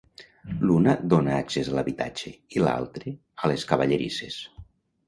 L'una dóna accés a l'habitatge i l'altre a les cavallerisses.